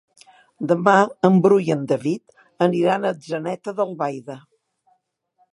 Demà en Bru i en David aniran a Atzeneta d'Albaida.